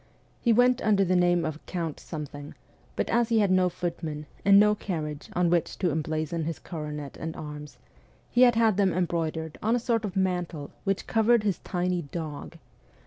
He went under the name of Count Something ; but as he had no footman and no carriage on which to emblazon his coronet and arms, he had had them embroidered on a sort of mantle which covered his tiny dog.